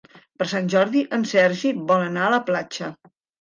Per Sant Jordi en Sergi vol anar a la platja.